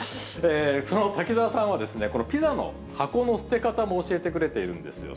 その滝沢さんは、このピザの箱の捨て方も教えてくれているんですよ。